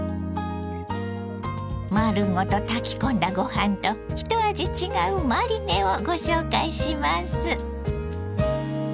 丸ごと炊き込んだご飯と一味違うマリネをご紹介します。